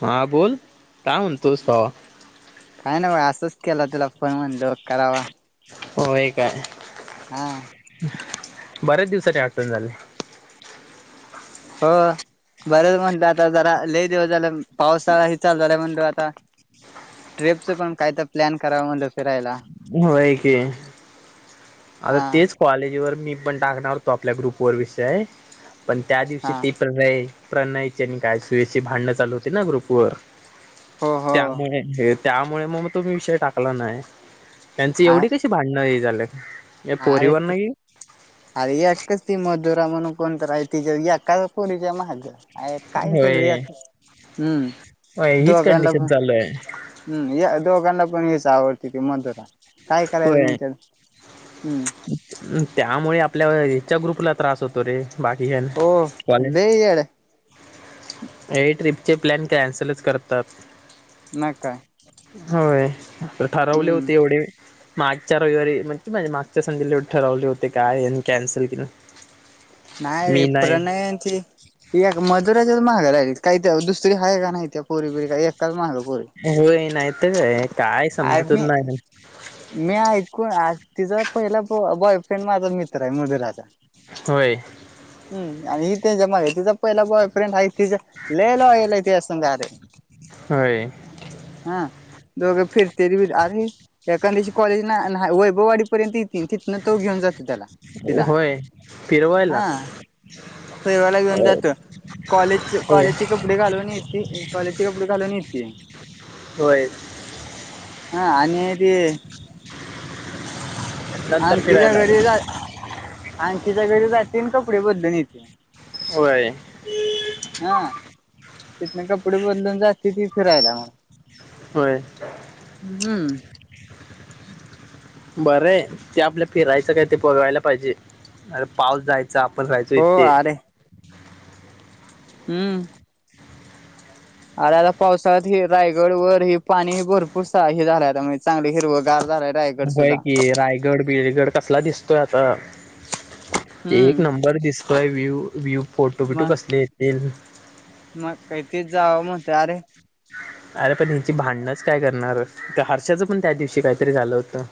हा बोल काय म्हणतोस भावा काय नाही बाला असंच केलं तुला फोन म्हणलो करावा हो एक आहे हा बऱ्याच दिवसाचीआठवण झाले हो बरंच म्हणते आता जरा लय दिवस झाले पावसाळा ही चालू झालाय म्हणतो आता ट्रिपचं पण काय तर प्लॅन कराव म्हणलं फिरायला होय की आता हा तेच कॉलेजवर मी पण टाकणार होतो आपल्या ग्रुप व विषय पण त्या दिवशी हा पेपर मुले प्रणयची आणि गायत्रिचे भांडणं चालू होती ना ग्रुप व हो हो त्यामुळे हे त्यामुळे मग तो विषय टाकला नाही त्यांची एवढी कशी भांडणं हे झाले आ रे एकच ति मधूरा म्हणून कोण गयत्रीच्या याका पोरीच्या महग काय सगळ या होय होय हम्म हीच दोघला कंडिशन चालू आहे. पन या दोघांना पण लयाच आवडते त मधुरा काय करायचं मग होय त्याच हम्म त्यामुळे आपल्या ह्याच्या ग्रुपला त्रास होतो रे बाकी कही नई हो कॉलज लई येड आहे हे ट्रिपचे प्लॅन कॅन्सलच करतात न का होय ठरवले होते एवढे मागच्या रविवारी म्हणजे मागच्या संडेला ठरवले होते काय कॅन्सल कि नाही नाही रे प्रणयन ची एक मधुराच्या मांग लागली काही दुसरी आहे का नाही त्या पोरी बेरी काय एकाच माग होय नाहीतर काय काय अर समजतच मी नाही मग मी ऐकून आहे तिचा पहिला ब बॉयफ्रेंड माझा मित्र आहे मधुराचा होय हम्म आणि हि तेच्या माग तिचा पहिला बॉय फ्रेंड आहे लय लॉयल आहे तिचसंग आरे होय. हा दोग फिरत्या बिरत्याती अरे एखाद्या दिवशी कॉलेज ना वैभववाडीपर्यंत तिथन तू घेऊन जातो तिला होय फिरवायला हा फिरवायला घिऊन होय जातो कॉलेज होय. कॉलेजचे कपडे घालून येती कॉलेजचे कपडे घालून येती. होय हा आणि ते नंतर आंकीं च्या फिरायला घरी जा आंकिं च्या घरी जाती आणि कपडे बदलून येत्या. होय हं तिथनं कपडे बदलून जाती ती फिरायला म् होय. हम्म बरंय ते आपलं फिरायचं काय ते पाहिजे अरे पाऊस जाय च आपण राहायचो हो इथे अरे हम्म आरे आता पावसाळ्यात हे रायगड वर हे पाणी भरपूर सा हे झालंय आता म्हणजे चांगल हिरवगार झालाय रायगड होय सुद्धा तोय आता एक हम्म. नंबर दिसतोय व्ह्यू व्ह्यू फोटो बिटो मग कसले येतील मग काय तेचं जावं म्हणतोय अरे अरे पण हेची भांडणच काय करणार त्या हर्षाच पण त्या दिवशी काहीतरी झालं होतं.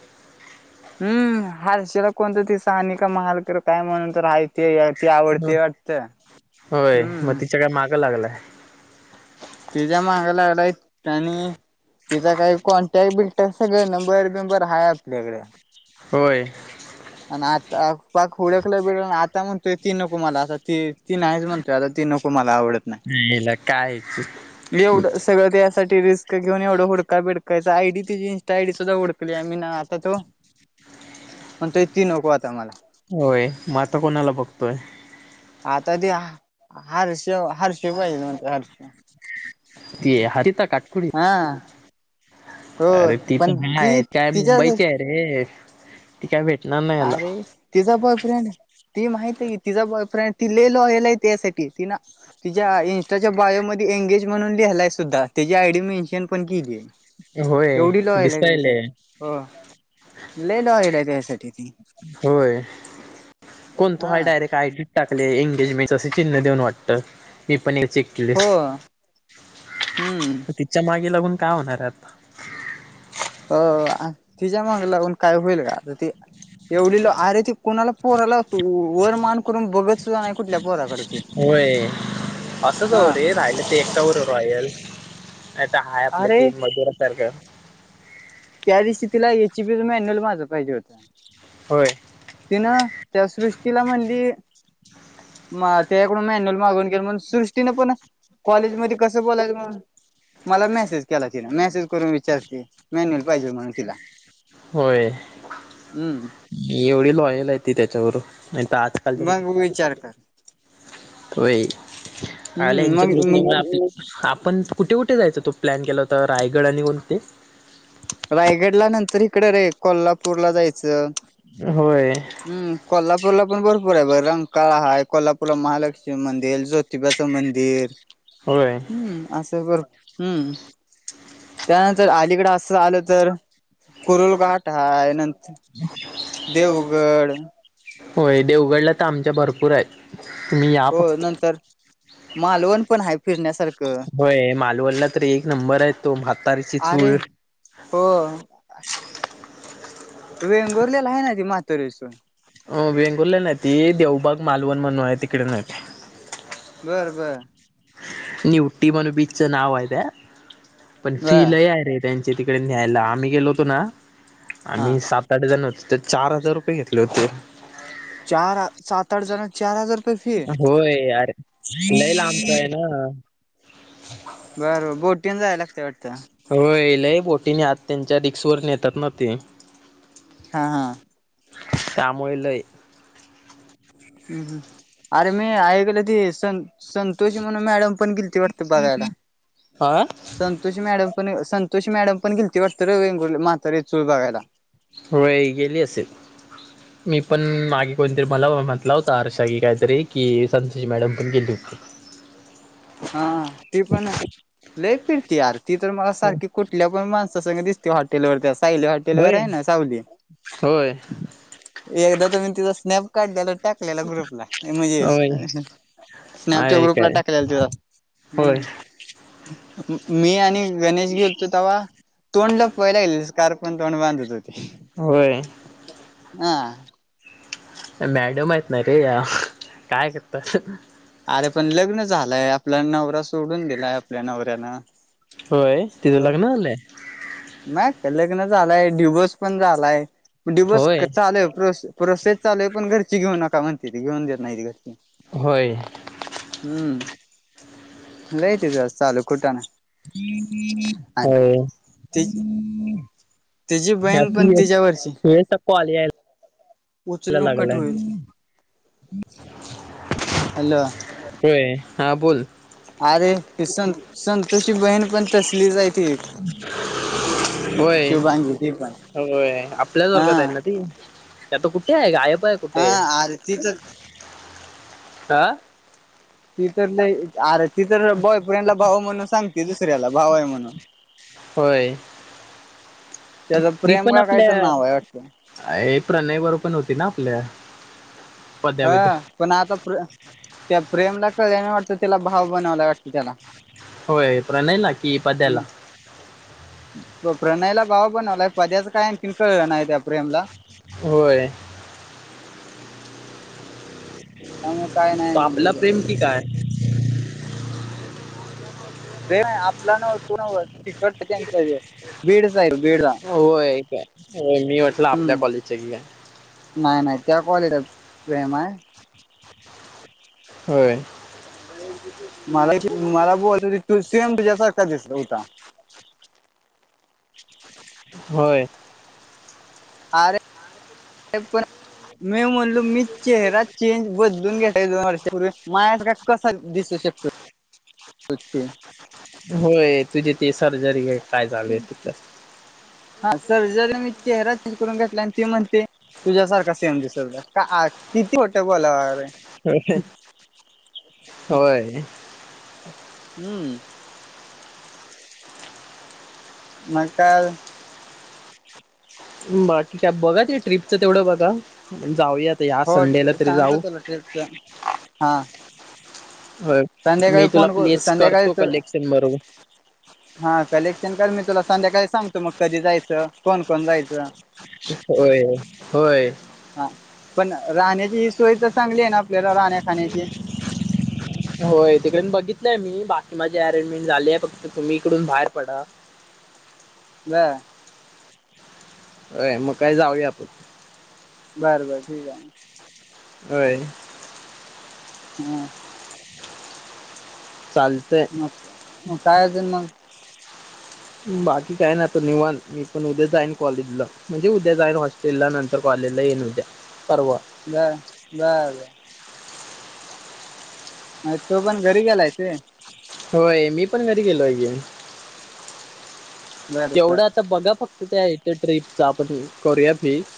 हम्म हारशेला कोणत तर साहानिक महालकर काय म्हणून तर हाईत ते ते आवडते वाटत. हम्म ग लागलायं. तेच्या मागा लागलाय आणि तिचा काय कॉन्टॅक्ट बिलटॅक सगळ नंबर बिंबर हाय आपल्याकडं. होय आणि आता पाक उडखलय बिडखल आता म्हणतोय ती नको मला आ ती ती नाहीच म्हणतोय आता ती नको मला आवडत नाय. हिला काय एवढं सगळं त्याच्यासाठी रिस्क घेऊन एवढं हुडकाय बिडकायच आयडी तिची इंस्टा आयडी सुद्धा हुडकली आ म्ही आता तो पण तो ती नको आता मला म आता कोणाला बघतोय? आता ते हा हार्षा ती हरिता काटकुली हा हो अरे ती पण हा ती हाय काय तिच्या मुंबईची आहे रे ती काय भेट आरे तिचा बॉय फ्रेंड ती माहितय की तिचा बॉयफ्रेंड ती लय लॉयल हाय तेच्या साठी तिनं तिच्या इन्स्टाच्या बायोमध्ये एंगेज म्हणून लिहिलाय सुद्धा त्याची आयडी मेन्शन पण केलीय. होय एवढी लॉयल हाय तेच्या साठी. दिसायले हो, लय लॉयल ते च्या साठी होय कोण तो हा हाय डायरेक्ट आयडी टाकले एंगेज मीच अस चिन्ह देऊन वाटतं मी पण ए चेक केले. हो हम्म तिच्या मागे लागून काय होणार हाय आता हो आ तिज्या मागं लागून काय होईल का? आता ती एवढी लोय अरे ती कुणाला पोराला तू वर मान करून बघत सुद्धा नाही कुठल्या पोराकडं ती होय असंच हवं हा रे राहिलं ते एकटा बरोब्र लॉयल नाही तर हाय आपलं ते अरे मधुरा सारखं त्या दिवशी तिला ए ची पी च मॅन्युअल माझ पाहिजे होत. होय तिनं त्या सृ ष्टीला म्हणली म त्याकडून मॅन्युअल मागून घे मम्हणून सृष्टीनं पण कॉलेज मध्ये कसं बोलायच. मला मेसेज केला तिला मेसेज करून विचारते मॅन्युल पाहिजेल म्हणून तिला होय. हम्म. एवढी लॉयल आहे ती त्याच्यावर नाही तर आजकालच्या मग विचार कर. होच्या हम्म मग मग कृपमुळे पण कुठे कुठे जायचं तो प्लॅन केला होता रायगड आणि कोणते रायगडला नंतर इकड रे कोल्हापूरला जायचं. होय हम् कोल्हापूरला पण भरपूर आहे बर रंगकाळा हा आहे कोल्हापूरला महालक्ष्मी मंदिर ज िबाचं मंदिर होय हम्म असं ब हम्म. त्यानंतर अलीकडे असं आलं. तर कुरलघाट आहेा नंतर देवगड होय देवगडला तर आमच्या भरपूर आहे तुम्ही या हो फक्त नंतर मालवण पण आहे फिरण्यासारखं होय मालवणला तर एक नंबर आहे तो म्हातारीची चू अरे हो. हो. वेंगुरलेला आहे ना त म्हातोरश अ वेंगुर्ले नाहीती देवबाग मालवण म्हणून आहे तिकडे नाही. बर बर. नि उटी मणू बीचच नाववाय त्या पण बर फीलल र त्या तिकडे न्यायला आम्ही गेलो होतो ना हा आम्ही सात आठ जण होतो. त्या चार हजार रुपये घेतले होते. चार सात आठ जण चार हजार रुपये फी होय यारे लई लाबतय ना. बर बर बोटीन जायला लागते वाटतं. हो येलय बोटीने आ त्यांच्या रिक्स वरून येतात ना ते. हा हा. त्यामुळेळलं हम् हम अरे मी ऐकल ती स संतोष म्हणून मॅडम पण गिलती वाटते बघायला हा संतोष मॅडम पण संतो तशी मॅडम पण गेलीती वाटत र वंग माते चूर बघायला. र गेली अस. मी पण मागे कोणीतरी मला म्हटला होता आरषा की काहीतरी कि संतोजी मॅडम पण गेली होती. स्वच् हा ती पण लई फिरती यार ती तर मला सारखी कुठल्या पण माणसास दिसते. ते हॉटलवरती अस. ली हॉटेल वर होय आहे ना सावली होय एकदा तुम् तिथ स्नप काढला टाकलेला ग्रुपला म्हणजे होय स्नॅपच्या आहे ग्रुपला काय टाकलेला तुला होय. मी आणि गणेश गेलतो तवा तोंड लपवायला येणार स्कार्फ ने तोंड बांधत होती. होय हा. मॅडम आहेतत ना रे या काय करतात. अरे पण लग्न झालंय आपला नवरा सोडून दिलाय आपल्या नवऱ्यानं. होय तिथं लग्न झालंय. नाही कलग्न झालाय ड्युबोस पण झालाय. ण डि बर्स होय चालयोसेस चालय पण घरची घेऊ नका म्हणते त घेऊन देत नाही घर होय हम्म हॅलो लय तिचं चालू कुटाणा आणि ति तिची या बहीण सुयस पण तक्को सुयस तक्को आलीय उचल न कट होईल हॅलो. होय हा बोल. अरे ती संत संतोशी बहीण पण तसलीच आहे ती. होय शुभांगी ती पण होय आपल्याच हा वर्गात आहे ना ती आता कु ठे आहे गायब? आहे हा कुठे आरतीचाच हा. ती तर लई आरती तर बॉयफ्रेंडला भाऊ म्हणून सांगते दुसऱ्याला भाऊ आहे म्हणून. होय. त्या ती पण आपल्या हे प्रणय बरो पण होती ना आपल्या. पद्या बिद्या हा पण आता प्र त्या प्रेमला कळे नाही वाटतं त्याला भाऊ बनवायला वाटते त्याला. होय प्रणय ना कि पद्याला. प्र प्रणयला भाउ बनवला आहे पद्याच काय आणखीन कळलं नाही त्या प्रेमला. होय. त्यामुळे काय तो आपला नाही प्रेम की [unintelligible] काय रे नाय आपला नव तू नव तिकटत त्यांच्या हे बीड होय काय मी वाटलं आपल्या कॉलेजच्या आहे की काय. नाय नाय त्या क्वालिटा प्रेम आहे. होय. मगाशी मला बोलत होती ती तू सेम तुझ्यासारखा दिसला होता. होय. अरेे पण मी म्हणलो मी चेहरा चेंज बदलून घेतला आहे दोन वर्षापूर्वी मला असं काय कसा दिसू शकतो ते? ते सर्जरी काय चालूय तिथं. हा सर्जरी मी चेहरा चेंज करून घेतला आणि तीते म्हणते तुझ्यासारखा सेम दिसल का आ किती खोटं बोलाव रे. होय. होय. हम्म. मग काय अजून? बा ठीक आहे बघा ते ट्रीपचा तेवढं बघा. जाऊयात या हो संडेला तरी सांगतो जाऊ. तुला ट्रिपच हा होय मी संध्याकाळी तुला फोन प्लेस संध्याकाळी करतो तर कलेक्सेन बरोबर. हा कलेक्शन कर मी तुला संध्याकाळी सांगतो मग कधी जायचं कोण-कोण जायचं. होय होय. हा पण राहण्याची ही सोय तर चांगली आहे ना आपल्याला राहण्या खाण्याची? होय तिकडेन बघितलंय मी बाकी माझे अरेंजमेंट झालेय फक्त तुम्ही इकडून बाहेर पडा. ब होय मग काय जाऊया आपण. बर बर ठीक आहे. होयं. हां. चालतंय. मग काय अजून मग? बाकी काय ना तर निवांत मी पण उद्या जाईन कॉलेजला म्हणजे उद्या जाईन हॉस्टेल ला नंतर कॉले लेला येइन उदया. बर बर बर. अ तो पण घरी गेलायच. होय मी पण घरी गेलो य की. बर तेवढं आता बघा फक्त त्या इथ ट्रिपच आपण करूया फिक्स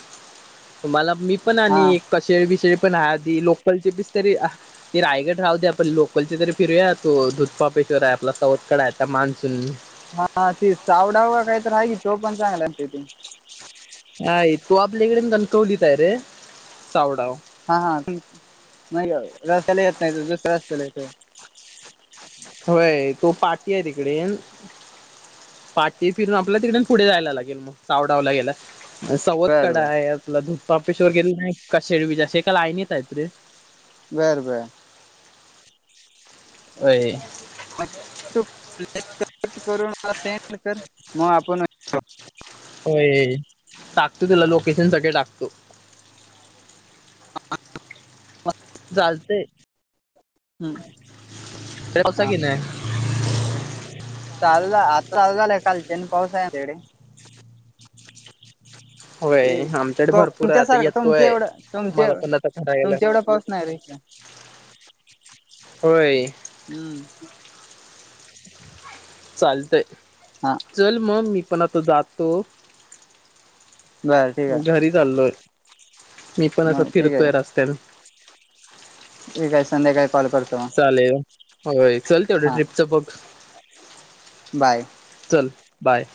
तुम्हाला. मी पण हा आणि कशेळी बिशेळी पण आधी लोकलचे बिसलरी तरी रायगड राह दे आपण लोकलचे तरी फिरूया तो दुधपापे. [unintelligible] आपला चवथकड आहेता मान्सून. हा ते सावडाव काहीत आहे की तो पण चांगला तिथे [unintelligible] ह तो आपल्याकडे कणकवलीत ये रे सावडाव हा हा [unintelligible] नाही रस्त्याला येत नाही दुसऱ्या रस्त्याला येतोय. होय तो पाठी आहे तिकडे पाठी फिरून आपल्या तिकडे पुढे जायला लागेल मग चावडावला गेला. सावत बर कडा बर आहे आपला धू ऑफिसवर गेलो नाही का शेडबज असे एकालाईन येत आहेत रे बर बर व्हय मग तू [unintelligible] कलेक्ट करून सेंड कर मग आपण होय टाकतो तुला लोकेशन सगळे टाकतो ह [unintelligible] चालतंय हम् पावसा हा की नाही चालला आता चालूझालं कालच्या आणि पाऊस आहे आमच्याकडे होय ते [unintelligible] आमच्याकडे भरपूर आहे तुमच्या आता सारखं तुमच्या येतोय एवढं तुमच्या, मला पण आता करायला तुमच्या एवढा पाऊस नाही रे इकडं. [inaudible] होय. हम्म चालतय हा चल मग मी पण आता जातो. बरं ठीक आहे घरी चाललोय मी पण असं मग ठीक आहे फिरतोय रस्त्यावर [inaudible] ठीक आहे संध्याकाळी कॉल करतो मग. चालेल होय चल ते एवढ्या हा ट्रिपचं बघ. बाय. चल बाय